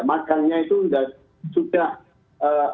magangnya itu sudah